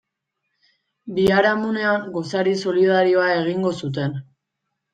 Biharamunean gosari solidarioa egingo zuten.